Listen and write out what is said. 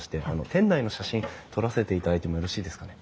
店内の写真撮らせていただいてもよろしいですかね？